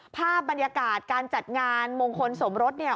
ภาพบรรยากาศการจัดงานมงคลสมรสเนี่ย